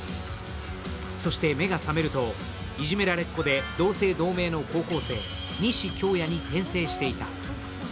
そして目が覚めるといじめられっ子で同姓同名の高校生、西恭弥に転生していた。